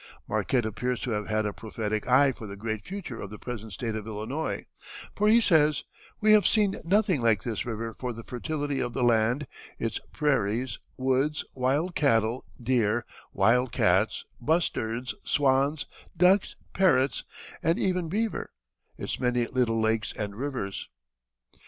Marquette appears to have had a prophetic eye for the great future of the present State of Illinois, for he says, "We have seen nothing like this river for the fertility of the land, its prairies, woods, wild cattle, deer, wild cats, bustards, swans, ducks, parrots, and even beaver; its many little lakes and rivers."